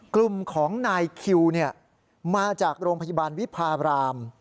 กลุ่มของนายคิวมาจากโรงพยาบาลวิพาบราม